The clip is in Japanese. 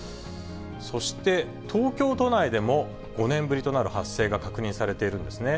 そして、東京都内でも５年ぶりとなる発生が確認されているんですね。